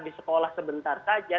di sekolah sebentar saja